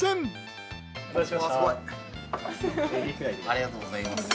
ありがとうございます。